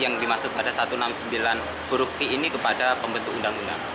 yang dimaksud pada satu ratus enam puluh sembilan huruf i ini kepada pembentuk undang undang